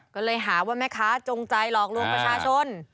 ก็เลยหาว่าแม่ค้าจงใจหลอกลวงประชาชน